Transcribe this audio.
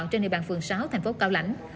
trên địa bàn phường sáu thành phố cao lãnh